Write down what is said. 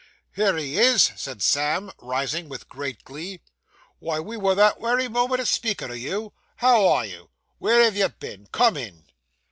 'Here he is!' said Sam, rising with great glee. 'Why we were that wery moment a speaking o' you. How are you? Where have you been? Come in.